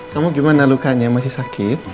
kamu gimana lukanya masih sakit